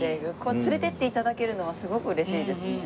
連れていって頂けるのはすごく嬉しいですね。